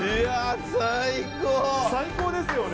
最高ですよね。